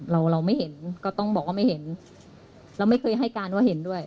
เราเราไม่เห็นก็ต้องบอกว่าไม่เห็นเราไม่เคยให้การว่าเห็นด้วย